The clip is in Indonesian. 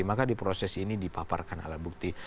maka di proses ini dipaparkan alat bukti